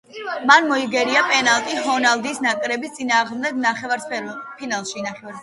მან მოიგერია პენალტი ჰოლანდიის ნაკრების წინააღმდეგ, ნახევარფინალში.